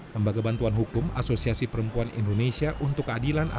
lembaga bantuan hukum asosiasi perempuan indonesia untuk keadilan